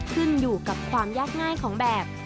ขึ้นอยู่กับความยากง่ายของแบบ